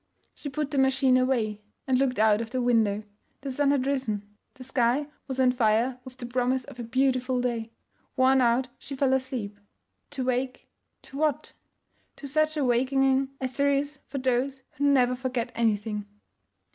She put the machine away and looked out of the window. The sun had risen. The sky was on fire with the promise of a beautiful day. Worn out, she fell asleep; to wake to what? To such awakening as there is for those who never forget anything.